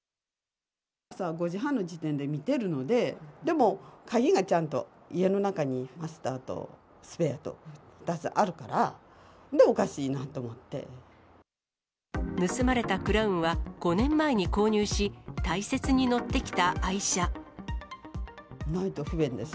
朝５時半の時点で見てるので、でも、鍵がちゃんと家の中にマスターとスペアと２つあるから、おかしい盗まれたクラウンは５年前に購入し、ないと不便です。